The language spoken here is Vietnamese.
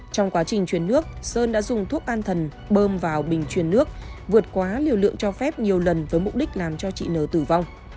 trong quá trình chuyển nước sơn đã dùng thuốc an thần bơm vào bình chuyển nước vượt quá liều lượng cho phép nhiều lần với mục đích làm cho chị n tử vong